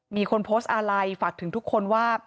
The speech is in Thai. มีคนโพสต์อะไรฝากถึงทุกคนว่า